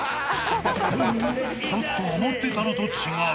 ［ちょっと思ってたのと違う］